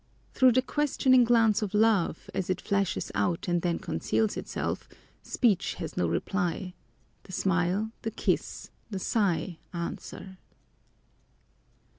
To the questioning glance of love, as it flashes out and then conceals itself, speech has no reply; the smile, the kiss, the sigh answer.